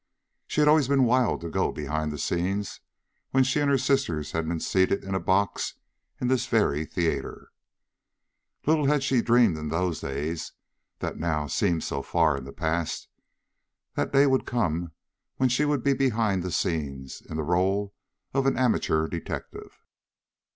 She had always been wild to go behind the scenes when she and her sisters had been seated in a box in this very theater. Little had she dreamed in those days that now seemed so far in the past, that day would come when she would be behind the scenes in the role of an amateur detective.